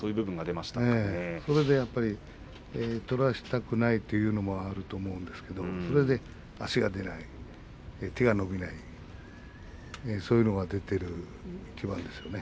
それで取らせたくないというのもあると思うんですけれどそれで足が出ない、手が伸びないそういうのが出ている一番ですね。